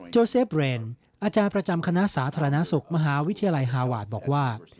เซฟเรนอาจารย์ประจำคณะสาธารณสุขมหาวิทยาลัยฮาวาสบอกว่า